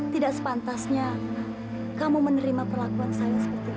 tidak sepantasnya kamu menerima perlakuan saya seperti itu